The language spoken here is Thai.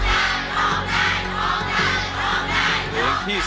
สีหน้าร้องได้หรือว่าร้องผิดครับ